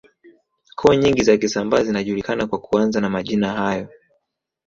Koo nyingi za Kisambaa zinajulikana kwa kuanza na majina hayo